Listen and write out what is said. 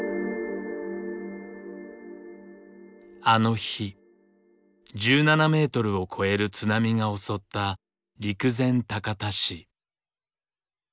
あの日１７メートルを超える津波が襲った陸前高田市。